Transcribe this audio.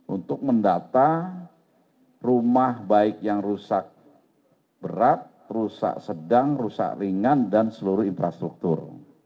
untuk mendata rumah baik yang rusak berat rusak sedang rusak ringan dan seluruh infrastruktur